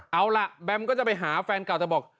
เอาล่ะแบมก็จะไปหาแฟนเก่าแต่บอก